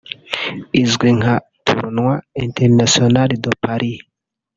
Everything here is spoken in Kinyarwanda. izwi nka Tournoi International de Paris